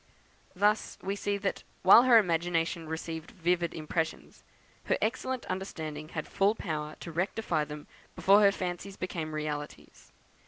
Thus we see that, while her imagination received vivid impressions, her excellent understanding had full power to rectify them before her fancies became realities.